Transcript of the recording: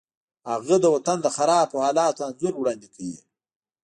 هغه د وطن د خرابو حالاتو انځور وړاندې کوي